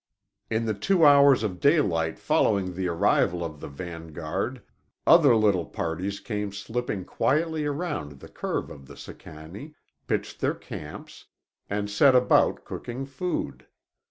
In the two hours of daylight following the arrival of the vanguard other little parties came slipping quietly around the curve of the Sicannie, pitched their camps, and set about cooking food.